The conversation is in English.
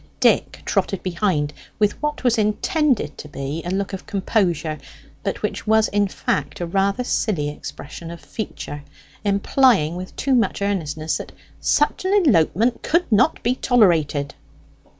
Dick trotted behind with what was intended to be a look of composure, but which was, in fact, a rather silly expression of feature implying, with too much earnestness, that such an elopement could not be tolerated.